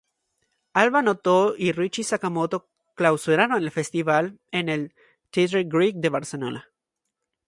Alva Noto y Ryuichi Sakamoto clausuraron el festival en el Teatre Grec de Barcelona.